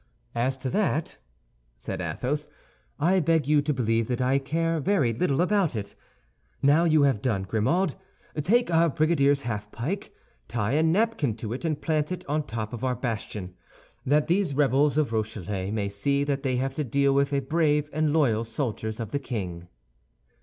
"As to that," said Athos, "I beg you to believe that I care very little about it. Now you have done, Grimaud, take our brigadier's half pike, tie a napkin to it, and plant it on top of our bastion, that these rebels of Rochellais may see that they have to deal with brave and loyal soldiers of the king."